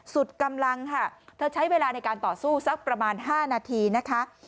สุดกำลังค่ะเธอใช้เวลาในการต่อสู้สักประมาณ๕นาทีนะคะ